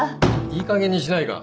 いいかげんにしないか！